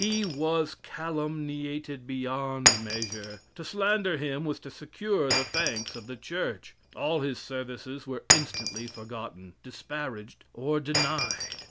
He was calumniated beyond measure. To slander him was to secure the thanks of the church. All his services were instantly forgotten, disparaged, or denied.